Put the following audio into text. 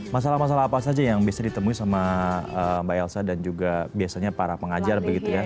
masalah masalah apa saja yang bisa ditemui sama mbak elsa dan juga biasanya para pengajar begitu ya